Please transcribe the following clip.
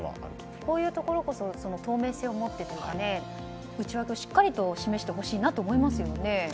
こういうところこそ透明性を持って内訳をしっかり示してほしいなと思いますね。